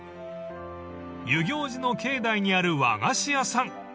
［遊行寺の境内にある和菓子屋さん］